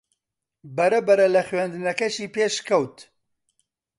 بەرەبەرە لە خوێندنەکەشی پێشکەوت